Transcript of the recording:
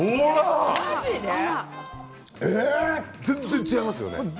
全然違いますよね！